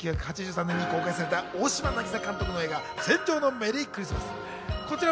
こちら、この映像、１９８３年に公開された大島渚監督の映画『戦場のメリークリスマス』。